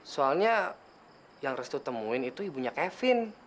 soalnya yang restu temuin itu ibunya kevin